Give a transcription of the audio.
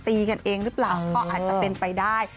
ตีกันเองหรือเปล่าก็อาจจะเป็นไปได้